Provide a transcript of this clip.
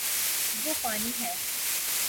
وہ پانی ہے